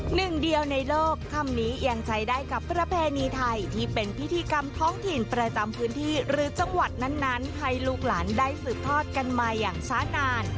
หนึ่งเดียวในโลกคำนี้ยังใช้ได้กับประเพณีไทยที่เป็นพิธีกรรมท้องถิ่นประจำพื้นที่หรือจังหวัดนั้นให้ลูกหลานได้สืบทอดกันมาอย่างช้านาน